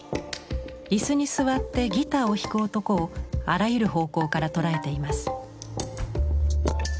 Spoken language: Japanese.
椅子に座ってギターを弾く男をあらゆる方向から捉えています。